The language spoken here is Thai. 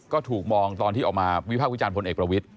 ก็ถูกมองตอนที่ออกมาวิภาควิจารณพลเอกประวิทธิ